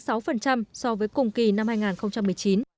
so với cùng kỳ năm hai nghìn một mươi chín